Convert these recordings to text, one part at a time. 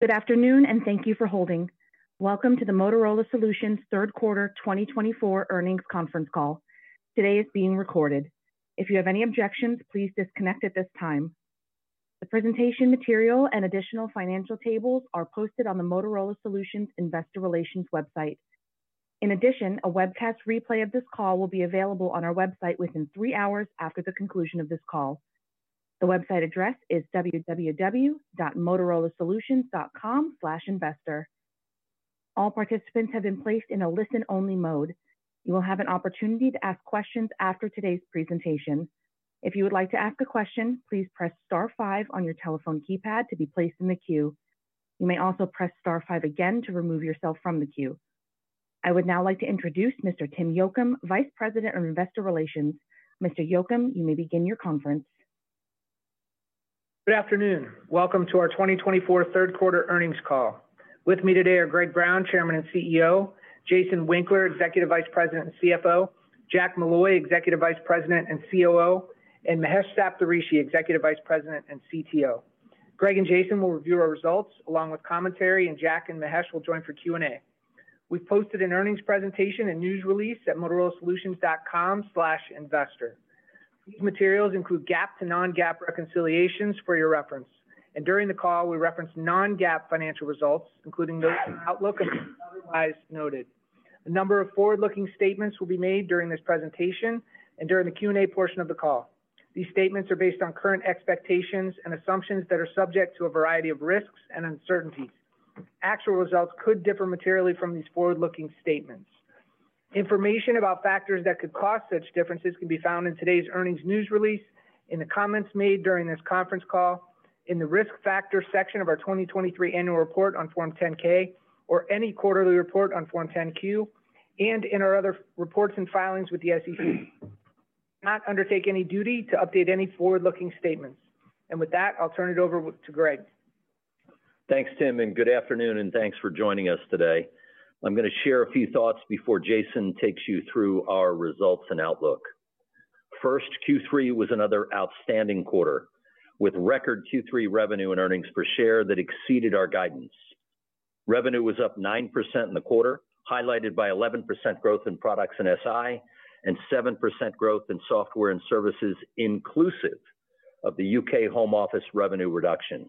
Good afternoon, and thank you for holding. Welcome to the Motorola Solutions Q3 2024 earnings conference call. Today is being recorded. If you have any objections, please disconnect at this time. The presentation material and additional financial tables are posted on the Motorola Solutions Investor Relations website. In addition, a webcast replay of this call will be available on our website within three hours after the conclusion of this call. The website address is www.motorolasolutions.com/investor. All participants have been placed in a listen-only mode. You will have an opportunity to ask questions after today's presentation. If you would like to ask a question, please press Star 5 on your telephone keypad to be placed in the queue. You may also press Star 5 again to remove yourself from the queue. I would now like to introduce Mr. Tim Yocum, Vice President of Investor Relations. Mr. Yocum, you may begin your conference. Good afternoon. Welcome to our 2024 Q3 earnings call. With me today are Greg Brown, Chairman and CEO, Jason Winkler, Executive Vice President and CFO, Jack Molloy, Executive Vice President and COO, and Mahesh Saptharishi, Executive Vice President and CTO. Greg and Jason will review our results along with commentary, and Jack and Mahesh will join for Q&A. We've posted an earnings presentation and news release at motorolasolutions.com/investor. These materials include GAAP-to-non-GAAP reconciliations for your reference, and during the call, we reference non-GAAP financial results, including those in the outlook and those otherwise noted. A number of forward-looking statements will be made during this presentation and during the Q&A portion of the call. These statements are based on current expectations and assumptions that are subject to a variety of risks and uncertainties. Actual results could differ materially from these forward-looking statements. Information about factors that could cause such differences can be found in today's earnings news release, in the comments made during this conference call, in the risk factor section of our 2023 annual report on Form 10-K, or any quarterly report on Form 10-Q, and in our other reports and filings with the SEC. I do not undertake any duty to update any forward-looking statements. And with that, I'll turn it over to Greg. Thanks, Tim, and good afternoon, and thanks for joining us today. I'm going to share a few thoughts before Jason takes you through our results and outlook. First, Q3 was another outstanding quarter, with record Q3 revenue and earnings per share that exceeded our guidance. Revenue was up 9% in the quarter, highlighted by 11% growth in products and SI, and 7% growth in software and services inclusive of the U.K. Home Office revenue reduction.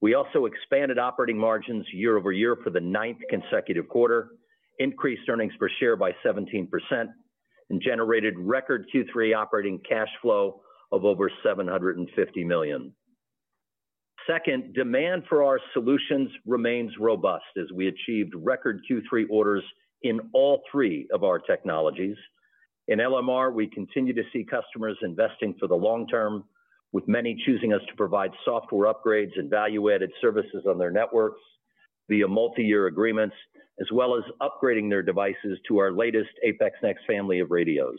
We also expanded operating margins year-over-year for the ninth consecutive quarter, increased earnings per share by 17%, and generated record Q3 operating cash flow of over $750 million. Second, demand for our solutions remains robust as we achieved record Q3 orders in all three of our technologies. In LMR, we continue to see customers investing for the long term, with many choosing us to provide software upgrades and value-added services on their networks via multi-year agreements, as well as upgrading their devices to our latest APX NEXT family of radios.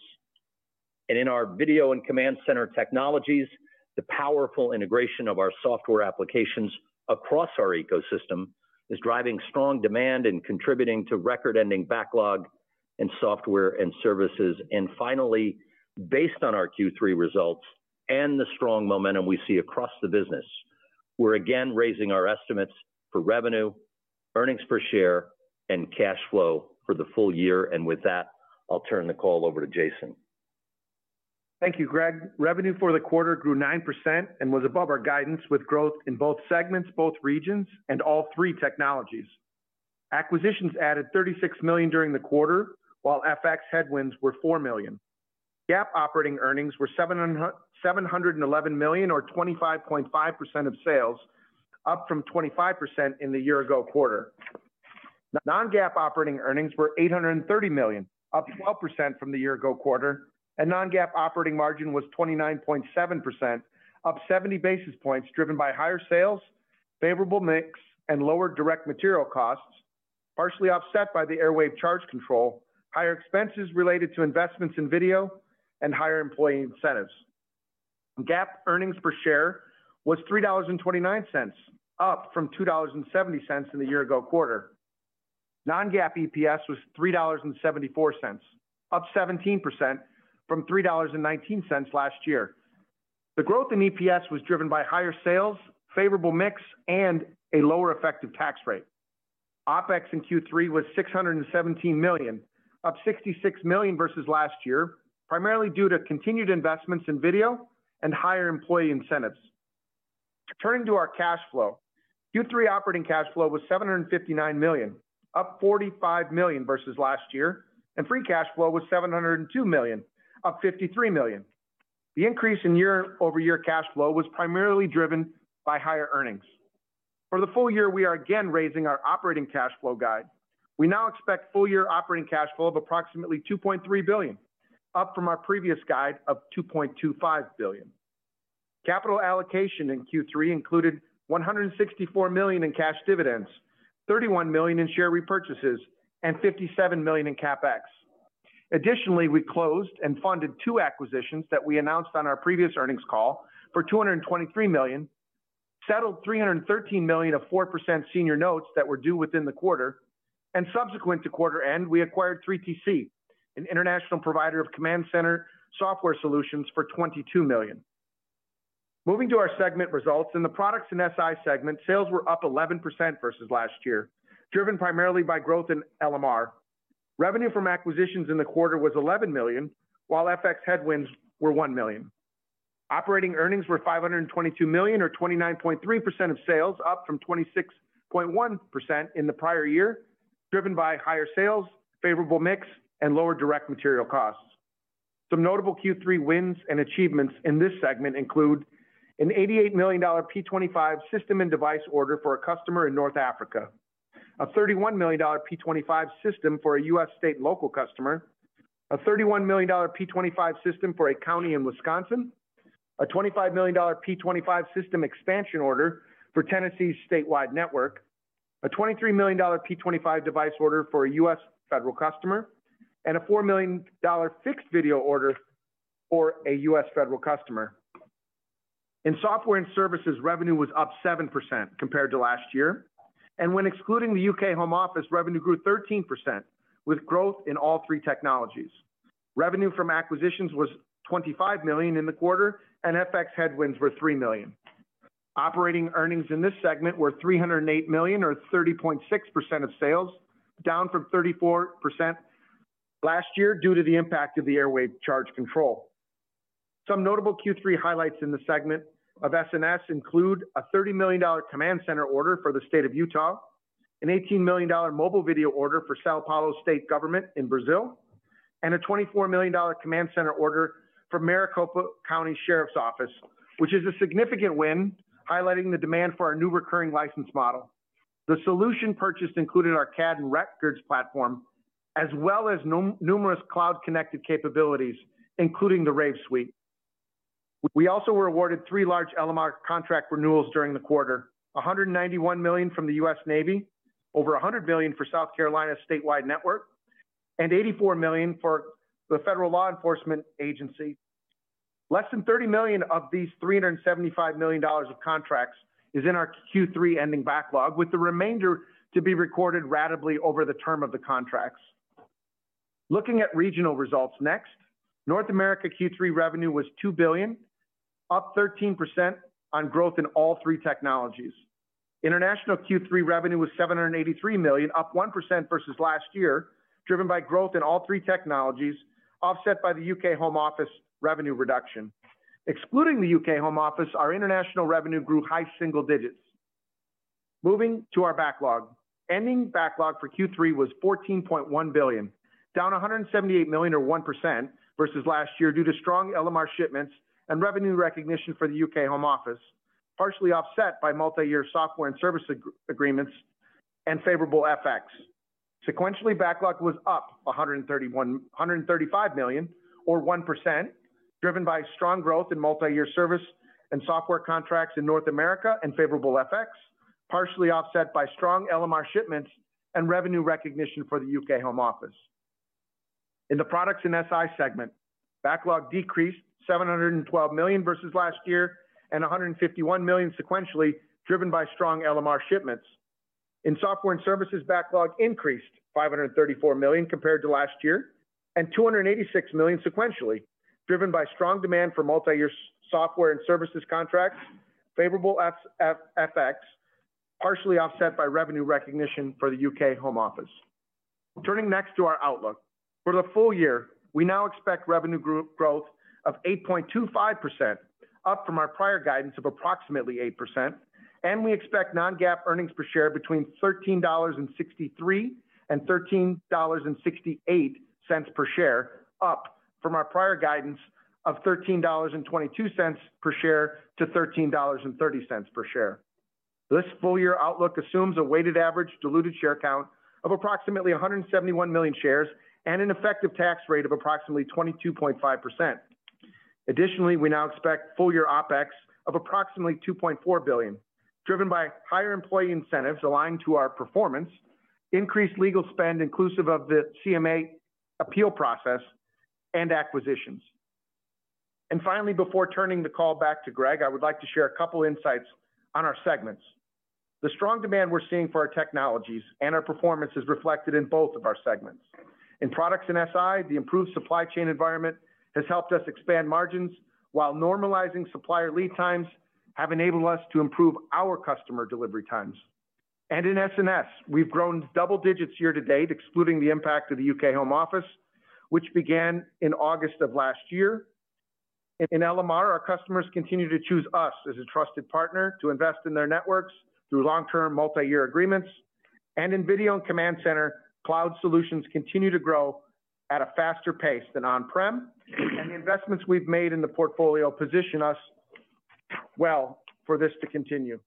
And in our video and command center technologies, the powerful integration of our software applications across our ecosystem is driving strong demand and contributing to record-ending backlog in software and services. And finally, based on our Q3 results and the strong momentum we see across the business, we're again raising our estimates for revenue, earnings per share, and cash flow for the full year. And with that, I'll turn the call over to Jason. Thank you, Greg. Revenue for the quarter grew 9% and was above our guidance, with growth in both segments, both regions, and all three technologies. Acquisitions added $36 million during the quarter, while FX headwinds were $4 million. GAAP operating earnings were $711 million, or 25.5% of sales, up from 25% in the year-ago quarter. non-GAAP operating earnings were $830 million, up 12% from the year-ago quarter. non-GAAP operating margin was 29.7%, up 70 basis points, driven by higher sales, favorable mix, and lower direct material costs, partially offset by the Airwave charge control, higher expenses related to investments in video, and higher employee incentives. GAAP earnings per share was $3.29, up from $2.70 in the year-ago quarter. non-GAAP EPS was $3.74, up 17% from $3.19 last year. The growth in EPS was driven by higher sales, favorable mix, and a lower effective tax rate. OpEx in Q3 was $617 million, up $66 million versus last year, primarily due to continued investments in video and higher employee incentives. Turning to our cash flow, Q3 operating cash flow was $759 million, up $45 million versus last year, and free cash flow was $702 million, up $53 million. The increase in year-over-year cash flow was primarily driven by higher earnings. For the full year, we are again raising our operating cash flow guide. We now expect full-year operating cash flow of approximately $2.3 billion, up from our previous guide of $2.25 billion. Capital allocation in Q3 included $164 million in cash dividends, $31 million in share repurchases, and $57 million in CapEx. Additionally, we closed and funded two acquisitions that we announced on our previous earnings call for $223 million, settled $313 million of 4% senior notes that were due within the quarter. Subsequent to quarter end, we acquired 3TC, an international provider of command center software solutions, for $22 million. Moving to our segment results, in the products and SI segment, sales were up 11% versus last year, driven primarily by growth in LMR. Revenue from acquisitions in the quarter was $11 million, while FX headwinds were $1 million. Operating earnings were $522 million, or 29.3% of sales, up from 26.1% in the prior year, driven by higher sales, favorable mix, and lower direct material costs. Some notable Q3 wins and achievements in this segment include an $88 million P25 system and device order for a customer in North Africa, a $31 million P25 system for a U.S. state and local customer, a $31 million P25 system for a county in Wisconsin, a $25 million P25 system expansion order for Tennessee's statewide network, a $23 million P25 device order for a U.S. federal customer, and a $4 million fixed video order for a U.S. federal customer. In software and services, revenue was up 7% compared to last year. And when excluding the U.K. Home Office, revenue grew 13%, with growth in all three technologies. Revenue from acquisitions was $25 million in the quarter, and FX headwinds were $3 million. Operating earnings in this segment were $308 million, or 30.6% of sales, down from 34% last year due to the impact of the Airwave charge control. Some notable Q3 highlights in the segment of S&S include a $30 million command center order for the state of Utah, an $18 million mobile video order for São Paulo State Government in Brazil, and a $24 million command center order for Maricopa County Sheriff's Office, which is a significant win, highlighting the demand for our new recurring license model. The solution purchased included our CAD and records platform, as well as numerous cloud-connected capabilities, including the Rave suite. We also were awarded three large LMR contract renewals during the quarter: $191 million from the U.S. Navy, over $100 million for South Carolina's statewide network, and $84 million for the federal law enforcement agency. Less than $30 million of these $375 million of contracts is in our Q3 ending backlog, with the remainder to be recorded ratably over the term of the contracts. Looking at regional results next, North America Q3 revenue was $2 billion, up 13% on growth in all three technologies. International Q3 revenue was $783 million, up 1% versus last year, driven by growth in all three technologies, offset by the U.K. Home Office revenue reduction. Excluding the U.K. Home Office, our international revenue grew high single digits. Moving to our backlog, ending backlog for Q3 was $14.1 billion, down $178 million, or 1%, versus last year due to strong LMR shipments and revenue recognition for the U.K. Home Office, partially offset by multi-year software and service agreements and favorable FX. Sequentially, backlog was up $135 million, or 1%, driven by strong growth in multi-year service and software contracts in North America and favorable FX, partially offset by strong LMR shipments and revenue recognition for the U.K. Home Office. In the products and SI segment, backlog decreased $712 million versus last year, and $151 million sequentially, driven by strong LMR shipments. In software and services, backlog increased $534 million compared to last year, and $286 million sequentially, driven by strong demand for multi-year software and services contracts, favorable FX, partially offset by revenue recognition for the U.K. Home Office. Turning next to our outlook, for the full year, we now expect revenue growth of 8.25%, up from our prior guidance of approximately 8%, and we expect non-GAAP earnings per share between $13.63 and $13.68 per share, up from our prior guidance of $13.22 per share to $13.30 per share. This full-year outlook assumes a weighted average diluted share count of approximately 171 million shares and an effective tax rate of approximately 22.5%. Additionally, we now expect full-year OpEx of approximately $2.4 billion, driven by higher employee incentives aligned to our performance, increased legal spend inclusive of the CMA appeal process, and acquisitions. And finally, before turning the call back to Greg, I would like to share a couple of insights on our segments. The strong demand we're seeing for our technologies and our performance is reflected in both of our segments. In products and SI, the improved supply chain environment has helped us expand margins, while normalizing supplier lead times have enabled us to improve our customer delivery times. And in S&S, we've grown double digits year to date, excluding the impact of the U.K. Home Office, which began in August of last year. In LMR, our customers continue to choose us as a trusted partner to invest in their networks through long-term multi-year agreements. And in video and command center, cloud solutions continue to grow at a faster pace than on-prem. And the investments we've made in the portfolio position us well for this to continue.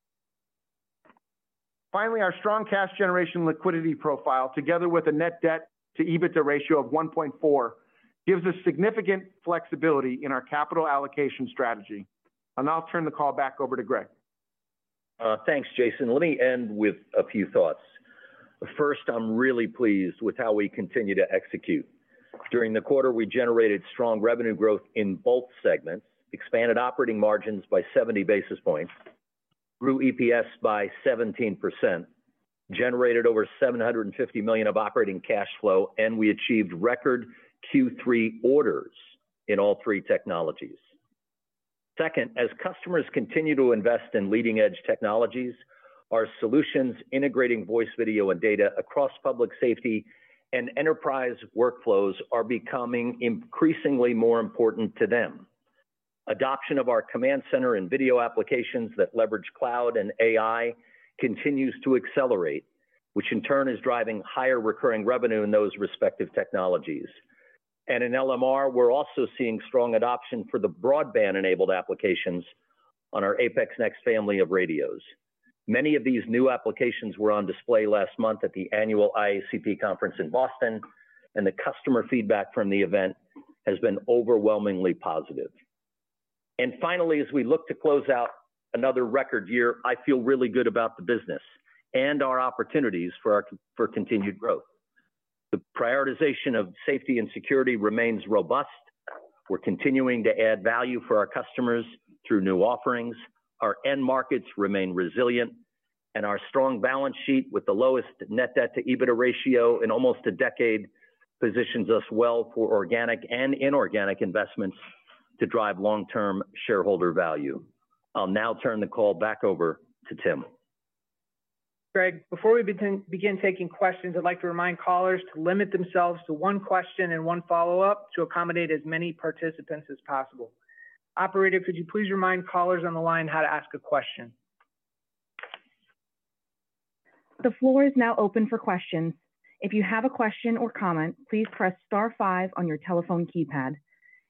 Finally, our strong cash generation liquidity profile, together with a net debt to EBITDA ratio of 1.4, gives us significant flexibility in our capital allocation strategy. And I'll turn the call back over to Greg. Thanks, Jason. Let me end with a few thoughts. First, I'm really pleased with how we continue to execute. During the quarter, we generated strong revenue growth in both segments, expanded operating margins by 70 basis points, grew EPS by 17%, generated over $750 million of operating cash flow, and we achieved record Q3 orders in all three technologies. Second, as customers continue to invest in leading-edge technologies, our solutions integrating voice, video, and data across public safety and enterprise workflows are becoming increasingly more important to them. Adoption of our command center and video applications that leverage cloud and AI continues to accelerate, which in turn is driving higher recurring revenue in those respective technologies, and in LMR, we're also seeing strong adoption for the broadband-enabled applications on our APX NEXT family of radios. Many of these new applications were on display last month at the annual IACP conference in Boston, and the customer feedback from the event has been overwhelmingly positive. And finally, as we look to close out another record year, I feel really good about the business and our opportunities for continued growth. The prioritization of safety and security remains robust. We're continuing to add value for our customers through new offerings. Our end markets remain resilient, and our strong balance sheet with the lowest net debt to EBITDA ratio in almost a decade positions us well for organic and inorganic investments to drive long-term shareholder value. I'll now turn the call back over to Tim. Greg, before we begin taking questions, I'd like to remind callers to limit themselves to one question and one follow-up to accommodate as many participants as possible. Operator, could you please remind callers on the line how to ask a question? The floor is now open for questions. If you have a question or comment, please press Star 5 on your telephone keypad.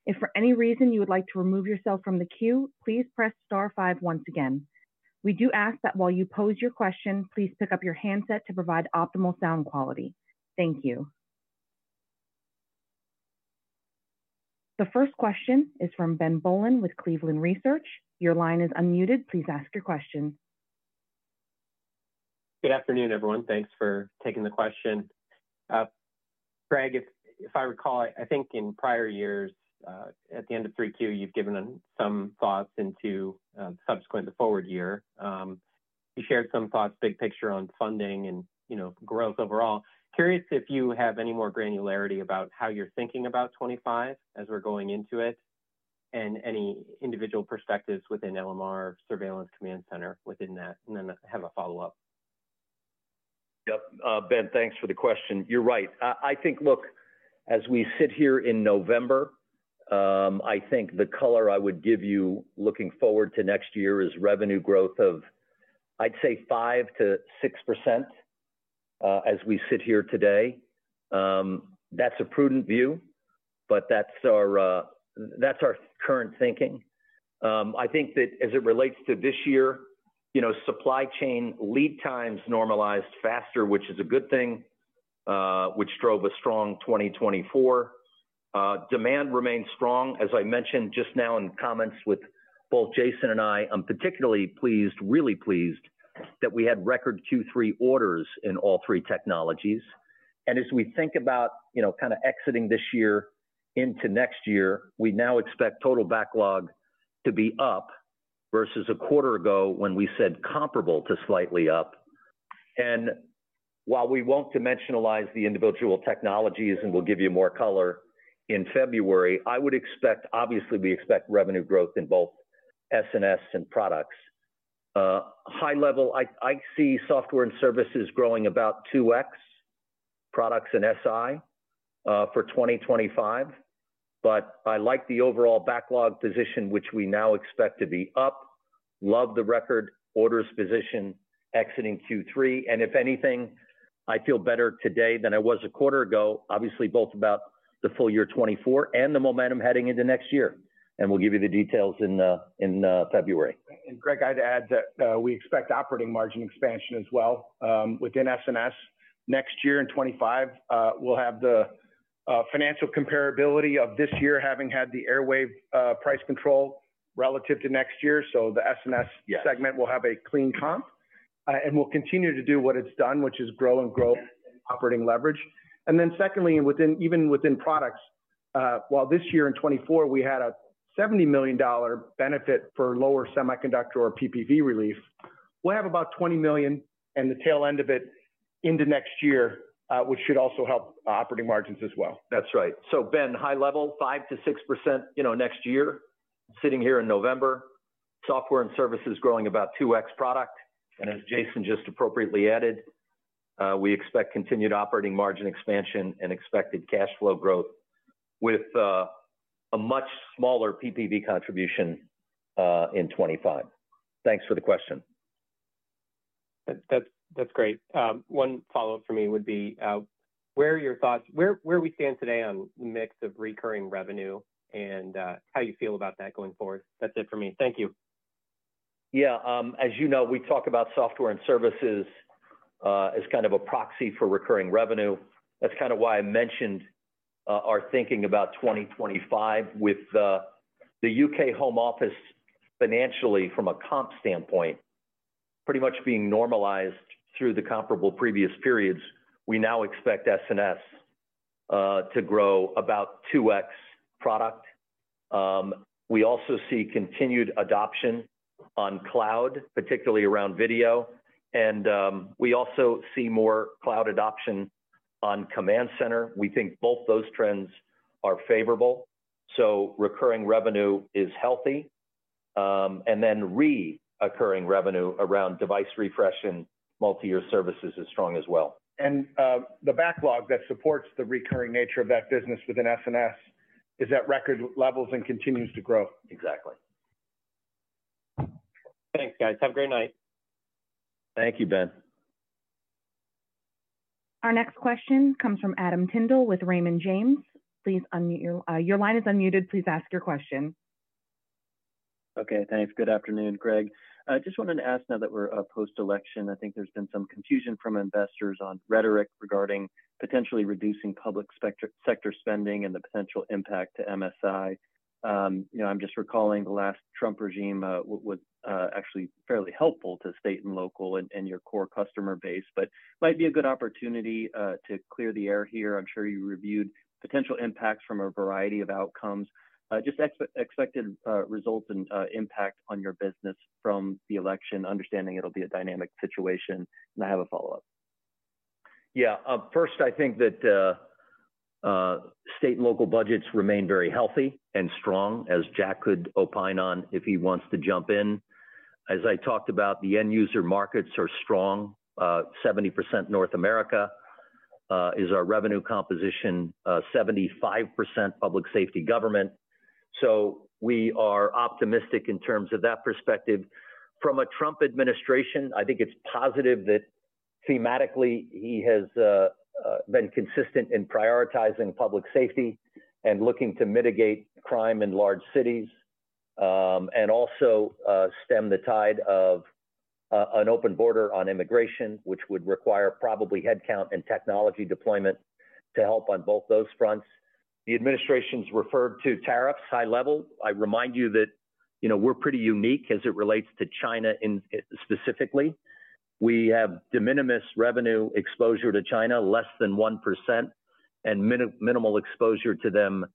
If for any reason you would like to remove yourself from the queue, please press Star 5 once again. We do ask that while you pose your question, please pick up your handset to provide optimal sound quality. Thank you. The first question is from Ben Bollin with Cleveland Research. Your line is unmuted. Please ask your question. Good afternoon, everyone. Thanks for taking the question. Greg, if I recall, I think in prior years, at the end of 3Q, you've given some thoughts into the subsequent forward year. You shared some thoughts big picture on funding and growth overall. Curious if you have any more granularity about how you're thinking about '25 as we're going into it, and any individual perspectives within LMR Surveillance Command Center within that, and then have a follow-up. Yep. Ben, thanks for the question. You're right. I think, look, as we sit here in November, I think the color I would give you looking forward to next year is revenue growth of, I'd say, 5%-6% as we sit here today. That's a prudent view, but that's our current thinking. I think that as it relates to this year, supply chain lead times normalized faster, which is a good thing, which drove a strong 2024. Demand remains strong. As I mentioned just now in comments with both Jason and I, I'm particularly pleased, really pleased, that we had record Q3 orders in all three technologies. And as we think about kind of exiting this year into next year, we now expect total backlog to be up versus a quarter ago when we said comparable to slightly up. While we won't dimensionalize the individual technologies and we'll give you more color in February, I would expect, obviously, we expect revenue growth in both S&S and products. High level, I see software and services growing about 2X, products and SI for 2025. I like the overall backlog position, which we now expect to be up. Love the record orders position exiting Q3. If anything, I feel better today than I was a quarter ago, obviously both about the full year 2024 and the momentum heading into next year. We'll give you the details in February. And Greg, I'd add that we expect operating margin expansion as well within S&S. Next year in 2025, we'll have the financial comparability of this year having had the Airwave price control relative to next year. So the S&S segment will have a clean comp. And we'll continue to do what it's done, which is grow and grow operating leverage. And then secondly, and even within products, while this year in 2024 we had a $70 million benefit for lower semiconductor or PPV relief, we'll have about $20 million and the tail end of it into next year, which should also help operating margins as well. That's right. So Ben, high level, 5%-6% next year, sitting here in November, software and services growing about 2X product. And as Jason just appropriately added, we expect continued operating margin expansion and expected cash flow growth with a much smaller PPV contribution in 2025. Thanks for the question. That's great. One follow-up for me would be where are your thoughts where we stand today on the mix of recurring revenue and how you feel about that going forward? That's it for me. Thank you. Yeah. As you know, we talk about software and services as kind of a proxy for recurring revenue. That's kind of why I mentioned our thinking about 2025 with the U.K. Home Office financially from a comp standpoint pretty much being normalized through the comparable previous periods. We now expect S&S to grow about 2X product. We also see continued adoption on cloud, particularly around video. And we also see more cloud adoption on command center. We think both those trends are favorable. So recurring revenue is healthy. And then recurring revenue around device refresh and multi-year services is strong as well. The backlog that supports the recurring nature of that business within S&S is at record levels and continues to grow. Exactly. Thanks, guys. Have a great night. Thank you, Ben. Our next question comes from Adam Tindle with Raymond James. Please unmute. Your line is unmuted. Please ask your question. Okay. Thanks. Good afternoon, Greg. I just wanted to ask now that we're post-election. I think there's been some confusion from investors on rhetoric regarding potentially reducing public sector spending and the potential impact to MSI. I'm just recalling the last Trump regime was actually fairly helpful to state and local and your core customer base, but it might be a good opportunity to clear the air here. I'm sure you reviewed potential impacts from a variety of outcomes. Just expected results and impact on your business from the election, understanding it'll be a dynamic situation. And I have a follow-up. Yeah. First, I think that state and local budgets remain very healthy and strong, as Jack could opine on if he wants to jump in. As I talked about, the end user markets are strong. 70% North America is our revenue composition, 75% public safety government. So we are optimistic in terms of that perspective. From a Trump administration, I think it's positive that thematically he has been consistent in prioritizing public safety and looking to mitigate crime in large cities and also stem the tide of an open border on immigration, which would require probably headcount and technology deployment to help on both those fronts. The administration's referred to tariffs high level. I remind you that we're pretty unique as it relates to China specifically. We have de minimis revenue exposure to China, less than 1%, and minimal exposure to them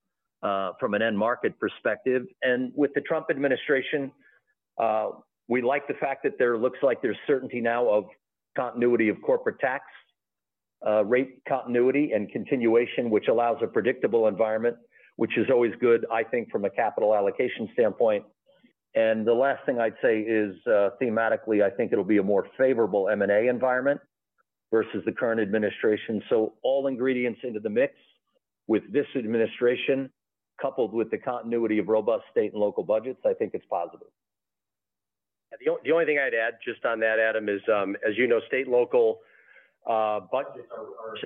from an end market perspective. And with the Trump administration, we like the fact that there looks like there's certainty now of continuity of corporate tax rate continuity and continuation, which allows a predictable environment, which is always good, I think, from a capital allocation standpoint. And the last thing I'd say is thematically, I think it'll be a more favorable M&A environment versus the current administration. So all ingredients into the mix with this administration, coupled with the continuity of robust state and local budgets, I think it's positive. The only thing I'd add just on that, Adam, is, as you know, state and local budgets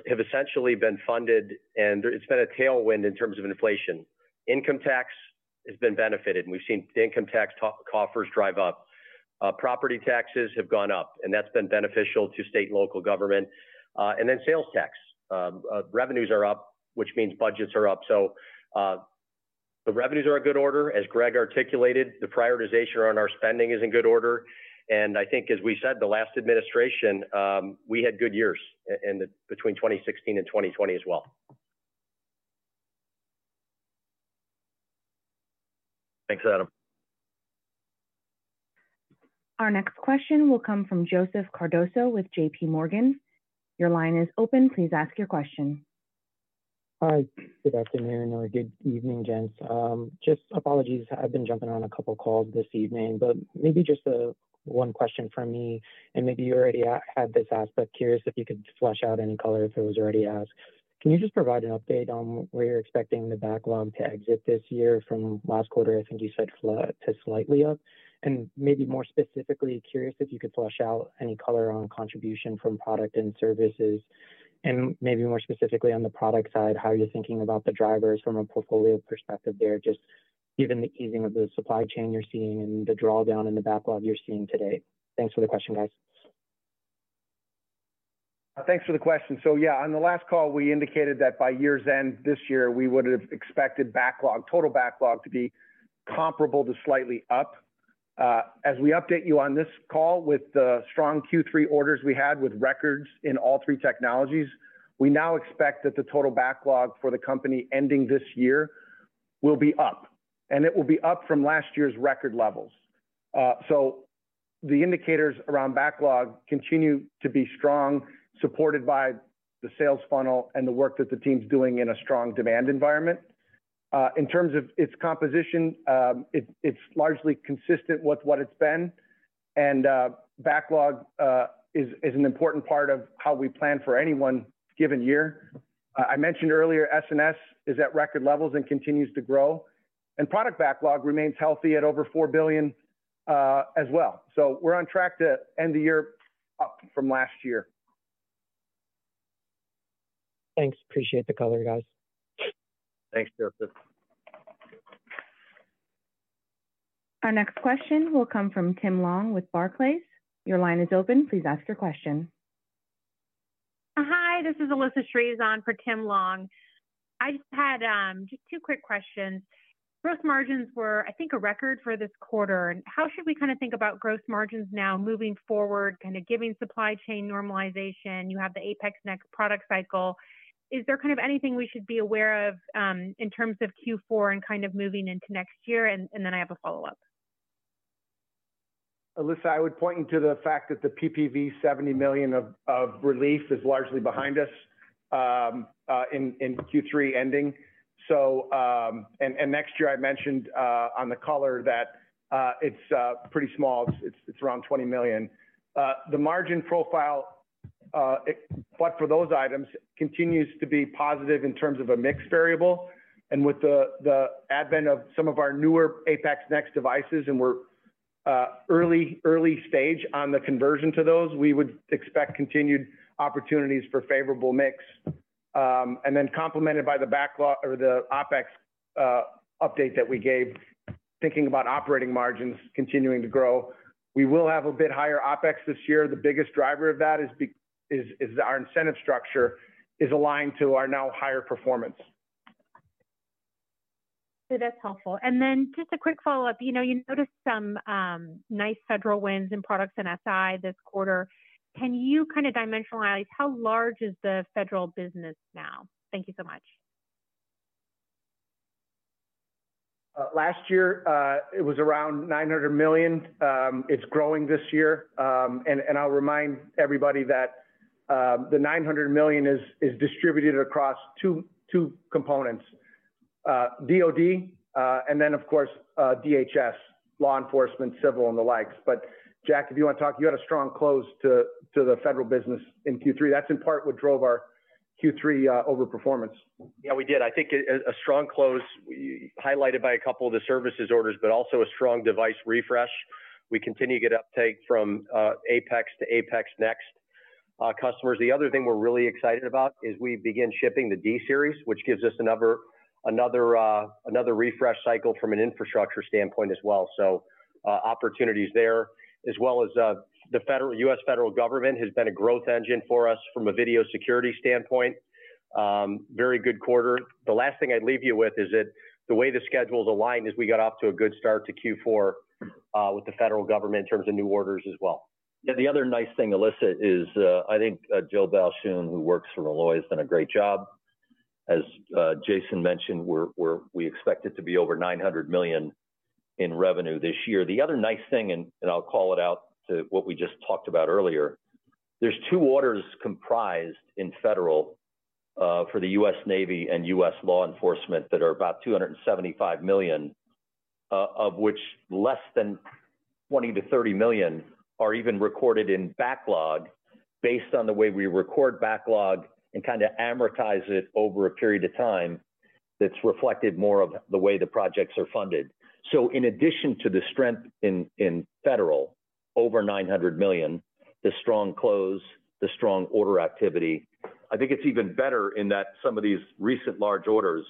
have essentially been funded, and it's been a tailwind in terms of inflation. Income tax has been benefited. We've seen the income tax coffers drive up. Property taxes have gone up, and that's been beneficial to state and local government. And then sales tax. Revenues are up, which means budgets are up. So the revenues are in good order. As Greg articulated, the prioritization on our spending is in good order. And I think, as we said, the last administration, we had good years between 2016 and 2020 as well. Thanks, Adam. Our next question will come from Joseph Cardoso with JPMorgan. Your line is open. Please ask your question. Hi. Good afternoon or good evening, Jens. Just apologies. I've been jumping on a couple of calls this evening, but maybe just one question from me. And maybe you already had this asked, but curious if you could flesh out any color if it was already asked. Can you just provide an update on where you're expecting the backlog to exit this year from last quarter? I think you said flat to slightly up. And maybe more specifically, curious if you could flesh out any color on contribution from product and services. And maybe more specifically on the product side, how you're thinking about the drivers from a portfolio perspective there, just given the easing of the supply chain you're seeing and the drawdown in the backlog you're seeing today. Thanks for the question, guys. Thanks for the question. So yeah, on the last call, we indicated that by year's end this year, we would have expected total backlog to be comparable to slightly up. As we update you on this call with the strong Q3 orders we had with records in all three technologies, we now expect that the total backlog for the company ending this year will be up. And it will be up from last year's record levels. So the indicators around backlog continue to be strong, supported by the sales funnel and the work that the team's doing in a strong demand environment. In terms of its composition, it's largely consistent with what it's been. And backlog is an important part of how we plan for any one given year. I mentioned earlier S&S is at record levels and continues to grow. Product backlog remains healthy at over $4 billion as well. We're on track to end the year up from last year. Thanks. Appreciate the color, guys. Thanks, Joseph. Our next question will come from Tim Long with Barclays. Your line is open. Please ask your question. Hi, this is Alyssa Shreves on for Tim Long. I just have two quick questions. Gross margins were, I think, a record for this quarter. And how should we kind of think about gross margins now moving forward, kind of given supply chain normalization? You have the APX NEXT product cycle. Is there kind of anything we should be aware of in terms of Q4 and kind of moving into next year? And then I have a follow-up. Alyssa, I would point you to the fact that the PPV $70 million of relief is largely behind us in Q3 ending. Next year, I mentioned on the color that it's pretty small. It's around $20 million. The margin profile, but for those items, continues to be positive in terms of a mix variable. With the advent of some of our newer APX NEXT devices, and we're early stage on the conversion to those, we would expect continued opportunities for favorable mix. Then complemented by the OPEX update that we gave, thinking about operating margins continuing to grow. We will have a bit higher OPEX this year. The biggest driver of that is our incentive structure is aligned to our now higher performance. So that's helpful. And then just a quick follow-up. You noticed some nice federal wins in products and SI this quarter. Can you kind of dimensionalize how large is the federal business now? Thank you so much. Last year, it was around $900 million. It's growing this year. And I'll remind everybody that the $900 million is distributed across two components: DoD and then, of course, DHS, law enforcement, civil, and the likes. But Jack, if you want to talk, you had a strong close to the federal business in Q3. That's in part what drove our Q3 overperformance. Yeah, we did. I think a strong close highlighted by a couple of the services orders, but also a strong device refresh. We continue to get uptake from APX to APX NEXT customers. The other thing we're really excited about is we begin shipping the G-Series, which gives us another refresh cycle from an infrastructure standpoint as well. So opportunities there, as well as the U.S. federal government has been a growth engine for us from a video security standpoint. Very good quarter. The last thing I'd leave you with is that the way the schedules aligned is we got off to a good start to Q4 with the federal government in terms of new orders as well. Yeah, the other nice thing, Alyssa, is I think Joe Balchunas, who works for Molloy, has done a great job. As Jason mentioned, we expect it to be over $900 million in revenue this year. The other nice thing, and I'll call it out to what we just talked about earlier, there's two orders comprised in federal for the U.S. Navy and U.S. law enforcement that are about $275 million, of which less than $20-$30 million are even recorded in backlog based on the way we record backlog and kind of amortize it over a period of time that's reflected more of the way the projects are funded. So in addition to the strength in federal, over $900 million, the strong close, the strong order activity, I think it's even better in that some of these recent large orders,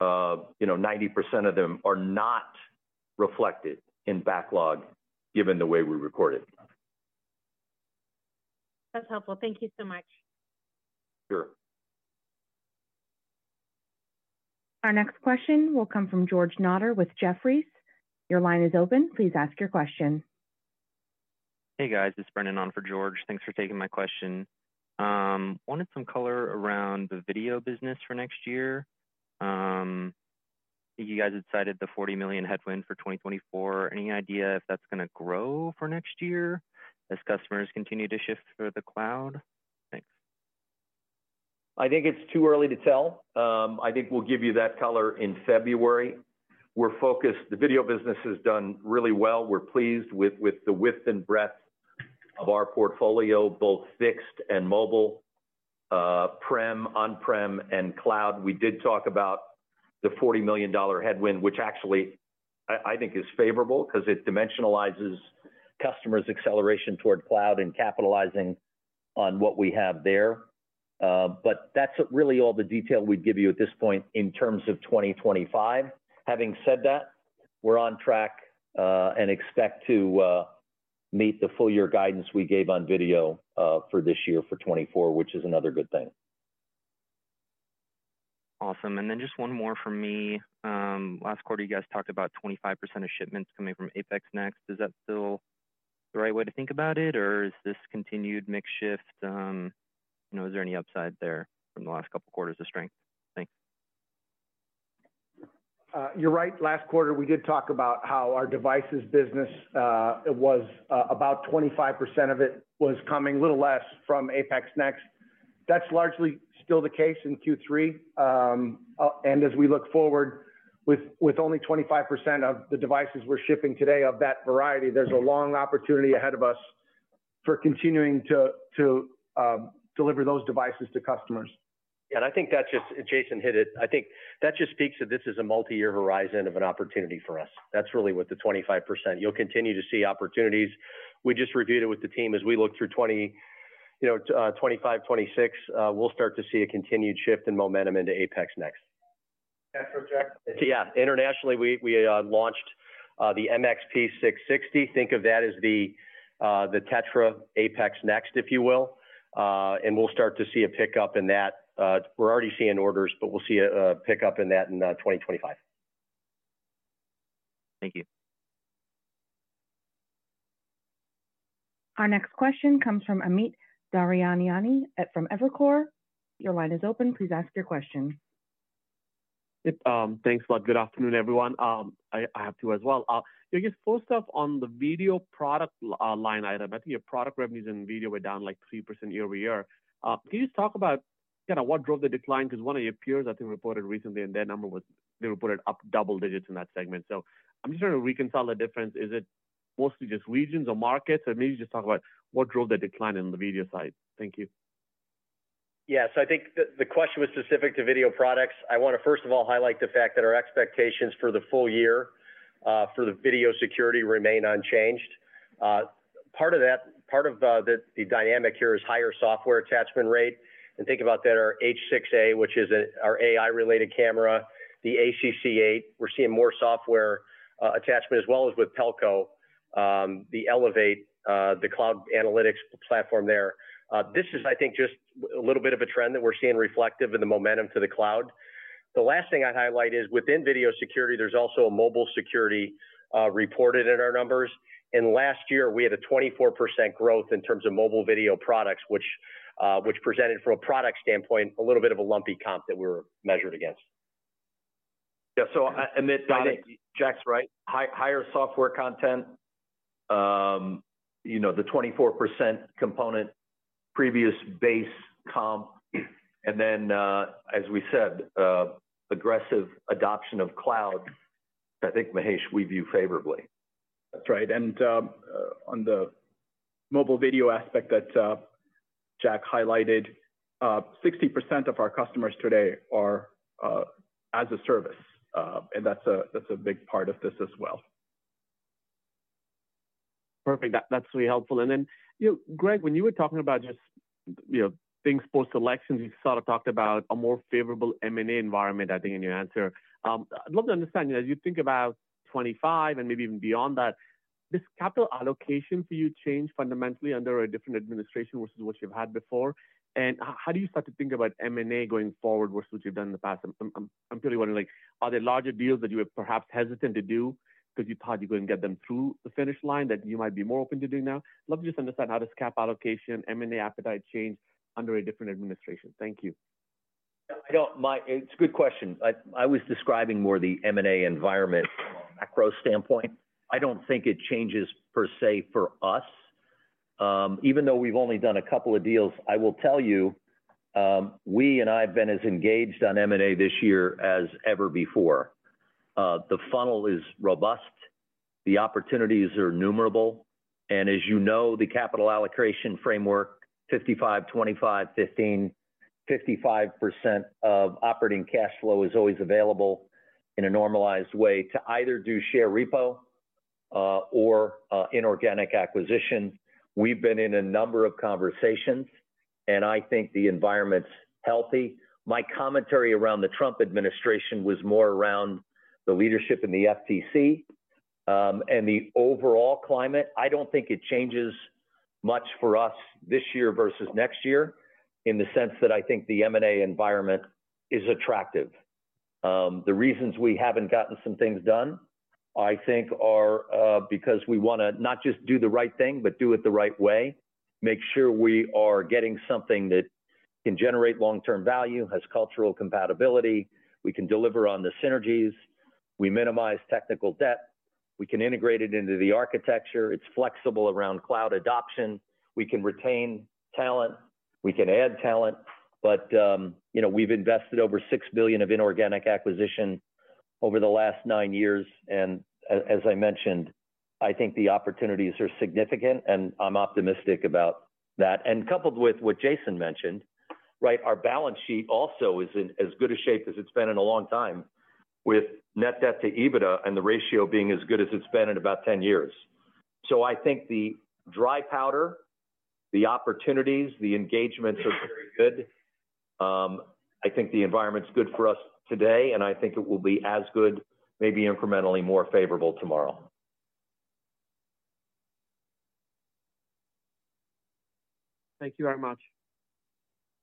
90% of them are not reflected in backlog given the way we record it. That's helpful. Thank you so much. Sure. Our next question will come from George Notter with Jefferies. Your line is open. Please ask your question. Hey, guys. It's Brennan on for George. Thanks for taking my question. Wanted some color around the video business for next year. You guys had cited the $40 million headwind for 2024. Any idea if that's going to grow for next year as customers continue to shift for the cloud? Thanks. I think it's too early to tell. I think we'll give you that color in February. We're focused. The video business has done really well. We're pleased with the width and breadth of our portfolio, both fixed and mobile, prem, on-prem, and cloud. We did talk about the $40 million headwind, which actually I think is favorable because it dimensionalizes customers' acceleration toward cloud and capitalizing on what we have there. But that's really all the detail we'd give you at this point in terms of 2025. Having said that, we're on track and expect to meet the full year guidance we gave on video for this year for 2024, which is another good thing. Awesome. And then just one more for me. Last quarter, you guys talked about 25% of shipments coming from APX NEXT. Is that still the right way to think about it, or is this continued mix shift? Is there any upside there from the last couple of quarters of strength? Thanks. You're right. Last quarter, we did talk about how our devices business was about 25% of it was coming, a little less from APX NEXT. That's largely still the case in Q3. And as we look forward with only 25% of the devices we're shipping today of that variety, there's a long opportunity ahead of us for continuing to deliver those devices to customers. Yeah. I think that Jason just hit it. I think that just speaks to this is a multi-year horizon of an opportunity for us. That's really what the 25% you'll continue to see opportunities. We just reviewed it with the team as we look through 2025, 2026. We'll start to see a continued shift in momentum into APX NEXT. That's right, Jack. Yeah. Internationally, we launched the MXP660. Think of that as the TETRA APX NEXT, if you will. And we'll start to see a pickup in that. We're already seeing orders, but we'll see a pickup in that in 2025. Thank you. Our next question comes from Amit Daryanani from Evercore. Your line is open. Please ask your question. Thanks, Greg. Good afternoon, everyone. I have to as well. I guess first off on the video product line item, I think your product revenues in video were down like 3% year-over-year. Can you just talk about kind of what drove the decline? Because one of your peers, I think, reported recently, and their number was they reported up double digits in that segment. So I'm just trying to reconcile the difference. Is it mostly just regions or markets? Or maybe just talk about what drove the decline in the video side? Thank you. Yeah. So I think the question was specific to video products. I want to, first of all, highlight the fact that our expectations for the full year for the video security remain unchanged. Part of the dynamic here is higher software attachment rate. Think about that our H6A, which is our AI-related camera, the ACC8. We're seeing more software attachment, as well as with Pelco, the Elevate, the cloud analytics platform there. This is, I think, just a little bit of a trend that we're seeing reflective in the momentum to the cloud. The last thing I'd highlight is within video security, there's also a mobile security reported in our numbers. Last year, we had a 24% growth in terms of mobile video products, which presented from a product standpoint a little bit of a lumpy comp that we were measured against. Yeah. So Amit, Jack's right. Higher software content, the 24% component, previous base comp. And then, as we said, aggressive adoption of cloud. I think, Mahesh, we view favorably. That's right. And on the mobile video aspect that Jack highlighted, 60% of our customers today are as a service. And that's a big part of this as well. Perfect. That's really helpful. And then, Greg, when you were talking about just things post-election, you sort of talked about a more favorable M&A environment, I think, in your answer. I'd love to understand, as you think about 2025 and maybe even beyond that, this capital allocation for you changed fundamentally under a different administration versus what you've had before? And how do you start to think about M&A going forward versus what you've done in the past? I'm purely wondering, are there larger deals that you were perhaps hesitant to do because you thought you couldn't get them through the finish line that you might be more open to doing now? I'd love to just understand how does capital allocation, M&A appetite change under a different administration? Thank you. It's a good question. I was describing more the M&A environment from a macro standpoint. I don't think it changes per se for us. Even though we've only done a couple of deals, I will tell you, we and I have been as engaged on M&A this year as ever before. The funnel is robust. The opportunities are numerous. And as you know, the capital allocation framework, 55%, 25%, 15%, 55% of operating cash flow is always available in a normalized way to either do share repo or inorganic acquisition. We've been in a number of conversations, and I think the environment's healthy. My commentary around the Trump administration was more around the leadership and the FTC and the overall climate. I don't think it changes much for us this year versus next year in the sense that I think the M&A environment is attractive. The reasons we haven't gotten some things done, I think, are because we want to not just do the right thing, but do it the right way, make sure we are getting something that can generate long-term value, has cultural compatibility. We can deliver on the synergies. We minimize technical debt. We can integrate it into the architecture. It's flexible around cloud adoption. We can retain talent. We can add talent. But we've invested over $6 billion of inorganic acquisition over the last nine years. And as I mentioned, I think the opportunities are significant, and I'm optimistic about that. And coupled with what Jason mentioned, right, our balance sheet also is in as good a shape as it's been in a long time with net debt to EBITDA and the ratio being as good as it's been in about 10 years. So I think the dry powder, the opportunities, the engagements are very good. I think the environment's good for us today, and I think it will be as good, maybe incrementally more favorable tomorrow. Thank you very much.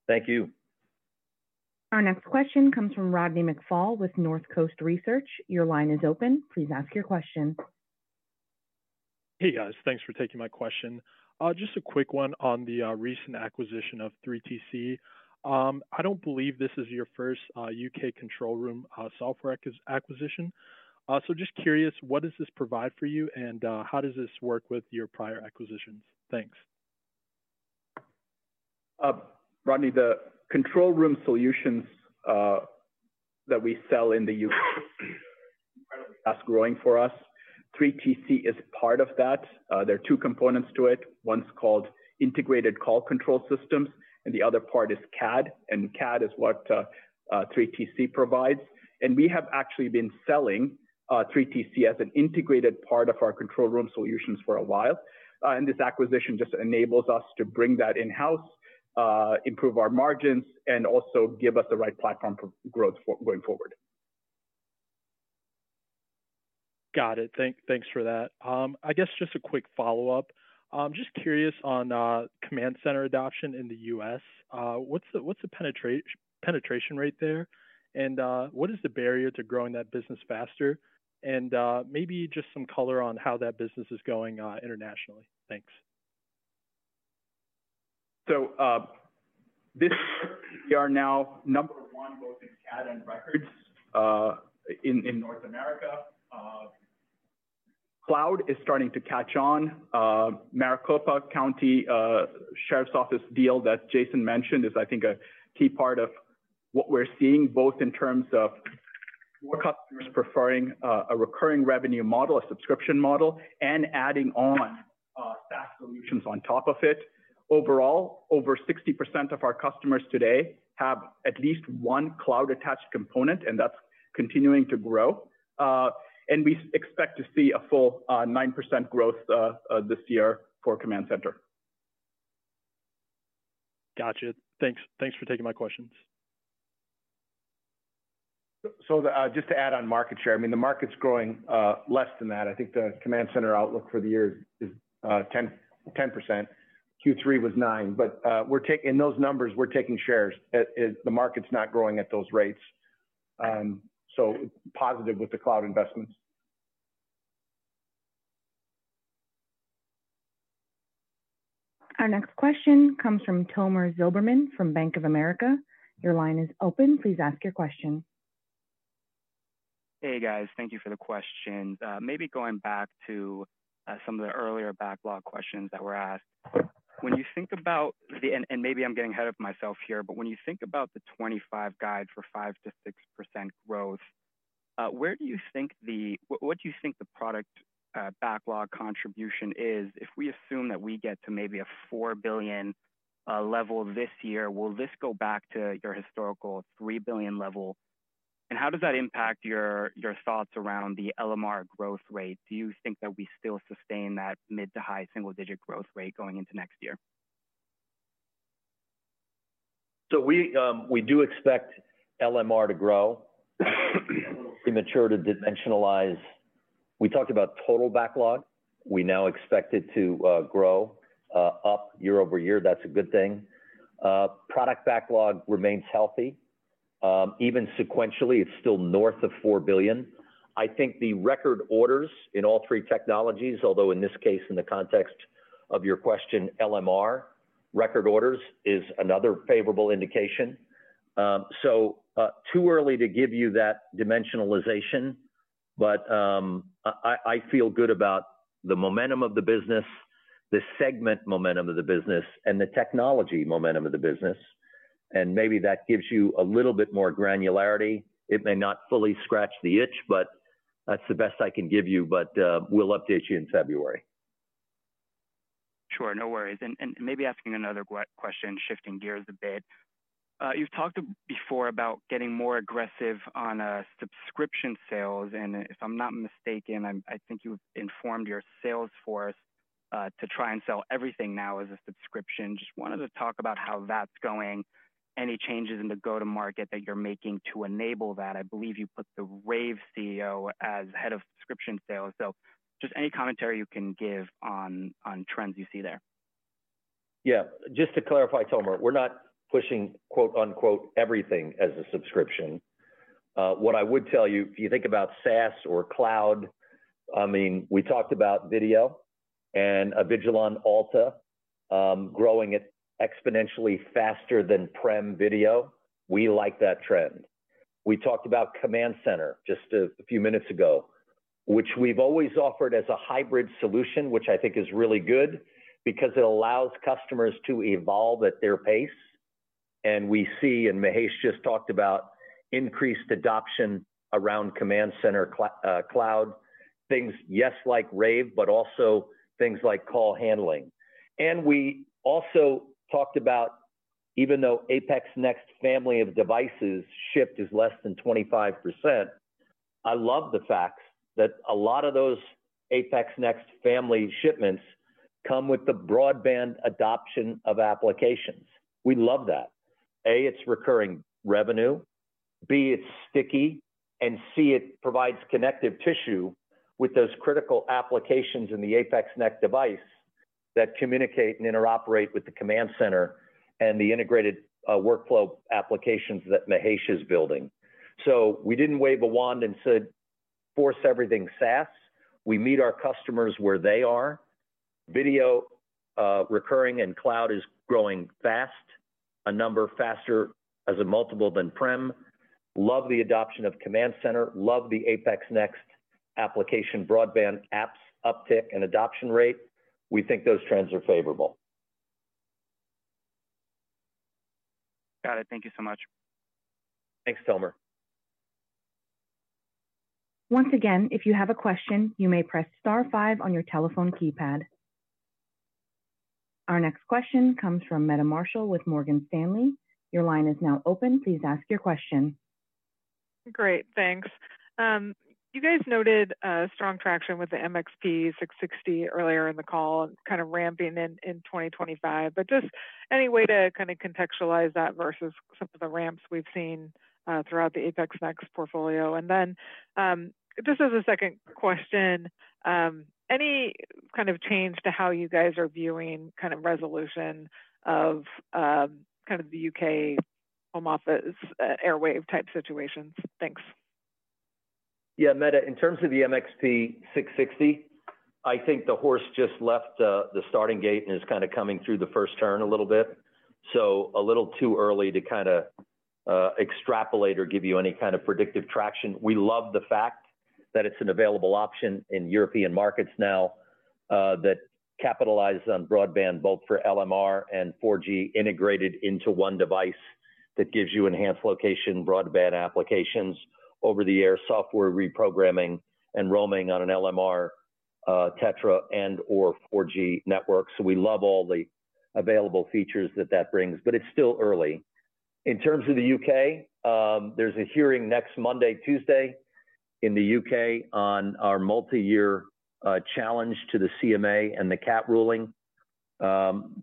Thank you. Our next question comes from Rodney McFall with North Coast Research. Your line is open. Please ask your question. Hey, guys. Thanks for taking my question. Just a quick one on the recent acquisition of 3TC. I don't believe this is your first U.K. control room software acquisition. So just curious, what does this provide for you, and how does this work with your prior acquisitions? Thanks. Rodney, the control room solutions that we sell in the U.K. are growing for us. 3TC is part of that. There are two components to it. One's called integrated call control systems, and the other part is CAD, and CAD is what 3TC provides, and we have actually been selling 3TC as an integrated part of our control room solutions for a while, and this acquisition just enables us to bring that in-house, improve our margins, and also give us the right platform for growth going forward. Got it. Thanks for that. I guess just a quick follow-up. Just curious on command center adoption in the U.S. What's the penetration rate there? And what is the barrier to growing that business faster? And maybe just some color on how that business is going internationally. Thanks. We are now number one both in CAD and records in North America. Cloud is starting to catch on. Maricopa County Sheriff's Office deal that Jason mentioned is, I think, a key part of what we're seeing both in terms of more customers preferring a recurring revenue model, a subscription model, and adding on SaaS solutions on top of it. Overall, over 60% of our customers today have at least one cloud-attached component, and that's continuing to grow. We expect to see a full 9% growth this year for command center. Gotcha. Thanks. Thanks for taking my questions. So just to add on market share, I mean, the market's growing less than that. I think the command center outlook for the year is 10%. Q3 was 9%. But in those numbers, we're taking shares if the market's not growing at those rates. So positive with the cloud investments. Our next question comes from Tomer Zilberman from Bank of America. Your line is open. Please ask your question. Hey, guys. Thank you for the question. Maybe going back to some of the earlier backlog questions that were asked. When you think about the, and maybe I'm getting ahead of myself here, but when you think about the '25 guide for 5%-6% growth, where do you think the, what do you think the product backlog contribution is? If we assume that we get to maybe a $4 billion level this year, will this go back to your historical $3 billion level? And how does that impact your thoughts around the LMR growth rate? Do you think that we still sustain that mid- to high-single-digit growth rate going into next year? So we do expect LMR to grow, mature to dimensionalize. We talked about total backlog. We now expect it to grow up year-over-year. That's a good thing. Product backlog remains healthy. Even sequentially, it's still north of $4 billion. I think the record orders in all three technologies, although in this case, in the context of your question, LMR, record orders is another favorable indication. So too early to give you that dimensionalization, but I feel good about the momentum of the business, the segment momentum of the business, and the technology momentum of the business. And maybe that gives you a little bit more granularity. It may not fully scratch the itch, but that's the best I can give you. But we'll update you in February. Sure. No worries, and maybe asking another question, shifting gears a bit. You've talked before about getting more aggressive on subscription sales. And if I'm not mistaken, I think you've informed your sales force to try and sell everything now as a subscription. Just wanted to talk about how that's going, any changes in the go-to-market that you're making to enable that. I believe you put the Rave CEO as head of subscription sales. So just any commentary you can give on trends you see there. Yeah. Just to clarify, Tomer, we're not pushing "everything" as a subscription. What I would tell you, if you think about SaaS or cloud, I mean, we talked about video and Avigilon Alta growing exponentially faster than pre-Av video. We like that trend. We talked about Command Center just a few minutes ago, which we've always offered as a hybrid solution, which I think is really good because it allows customers to evolve at their pace. And we see, and Mahesh just talked about increased adoption around Command Center cloud, things, yes, like Rave, but also things like call handling. And we also talked about, even though APX NEXT family of devices shipped is less than 25%, I love the fact that a lot of those APX NEXT family shipments come with the broadband adoption of applications. We love that. A, it's recurring revenue. B, it's sticky. C, it provides connective tissue with those critical applications in the APX NEXT device that communicate and interoperate with the Command Center and the integrated workflow applications that Mahesh is building. So we didn't wave a wand and said, "Force everything SaaS." We meet our customers where they are. Video recurring and cloud is growing fast, a number faster as a multiple than Prem. Love the adoption of Command Center. Love the APX NEXT application broadband apps uptick and adoption rate. We think those trends are favorable. Got it. Thank you so much. Thanks, Tomer. Once again, if you have a question, you may press star 5 on your telephone keypad. Our next question comes from Meta Marshall with Morgan Stanley. Your line is now open. Please ask your question. Great. Thanks. You guys noted strong traction with the MXP660 earlier in the call and kind of ramping in 2025. But just any way to kind of contextualize that versus some of the ramps we've seen throughout the APX NEXT portfolio. And then just as a second question, any kind of change to how you guys are viewing kind of resolution of kind of the U.K. Home Office Airwave type situations? Thanks. Yeah. Meta, in terms of the MXP660, I think the horse just left the starting gate and is kind of coming through the first turn a little bit. So a little too early to kind of extrapolate or give you any kind of predictive traction. We love the fact that it's an available option in European markets now that capitalizes on broadband both for LMR and 4G integrated into one device that gives you enhanced location broadband applications over-the-air software reprogramming and roaming on an LMR, TETRA, and/or 4G network. So we love all the available features that that brings, but it's still early. In terms of the UK, there's a hearing next Monday, Tuesday in the U.K. on our multi-year challenge to the CMA and the CAT ruling.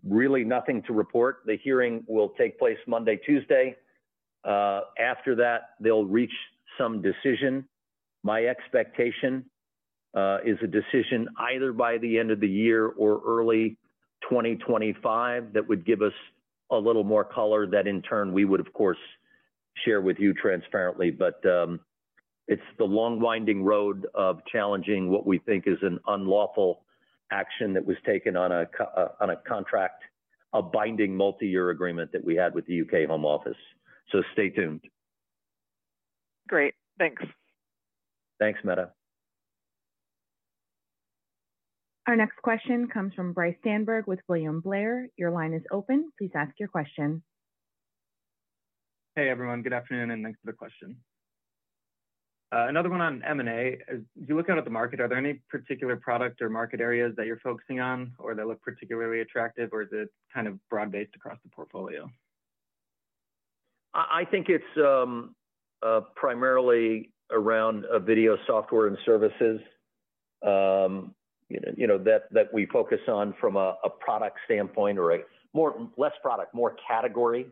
Really nothing to report. The hearing will take place Monday, Tuesday. After that, they'll reach some decision. My expectation is a decision either by the end of the year or early 2025 that would give us a little more color, that in turn we would, of course, share with you transparently, but it's the long-winding road of challenging what we think is an unlawful action that was taken on a contract, a binding multi-year agreement that we had with the U.K. Home Office, so stay tuned. Great. Thanks. Thanks, Meta. Our next question comes from Bryce Sandberg with William Blair. Your line is open. Please ask your question. Hey, everyone. Good afternoon and thanks for the question. Another one on M&A. As you look out at the market, are there any particular product or market areas that you're focusing on or that look particularly attractive, or is it kind of broad-based across the portfolio? I think it's primarily around video software and services that we focus on from a product standpoint or less product, more category.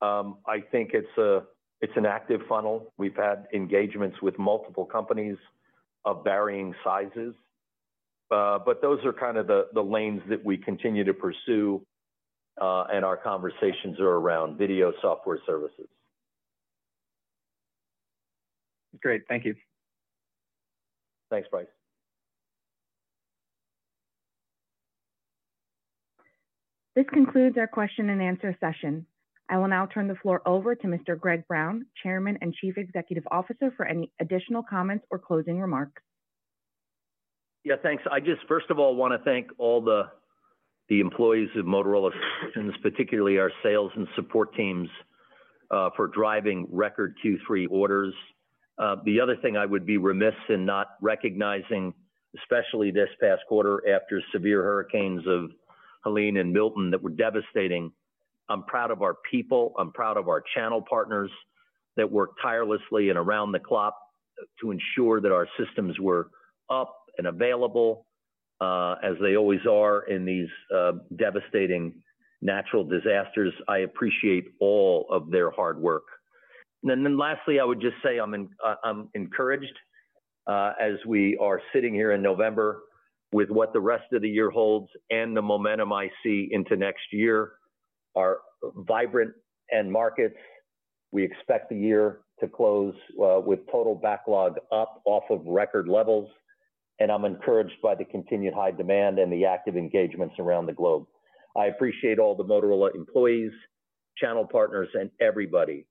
I think it's an active funnel. We've had engagements with multiple companies of varying sizes. But those are kind of the lanes that we continue to pursue, and our conversations are around video software services. Great. Thank you. Thanks, Bryce. This concludes our question and answer session. I will now turn the floor over to Mr. Greg Brown, Chairman and Chief Executive Officer, for any additional comments or closing remarks. Yeah, thanks. I just, first of all, want to thank all the employees of Motorola Solutions, particularly our sales and support teams, for driving record Q3 orders. The other thing I would be remiss in not recognizing, especially this past quarter after severe hurricanes of Helene and Milton that were devastating. I'm proud of our people. I'm proud of our channel partners that worked tirelessly and around the clock to ensure that our systems were up and available, as they always are in these devastating natural disasters. I appreciate all of their hard work. And then lastly, I would just say I'm encouraged as we are sitting here in November with what the rest of the year holds and the momentum I see into next year. Our vibrant end markets. We expect the year to close with total backlog up off of record levels. I'm encouraged by the continued high demand and the active engagements around the globe. I appreciate all the Motorola employees, channel partners, and everybody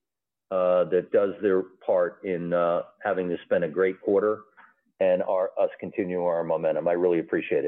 that does their part in having this been a great quarter and us continuing our momentum. I really appreciate it.